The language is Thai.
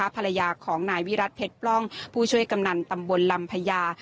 ภรรยาของนายวิรัติเพชรปล้องผู้ช่วยกำนันตำบลลำพญา